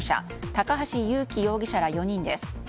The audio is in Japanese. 高橋祐樹容疑者ら４人です。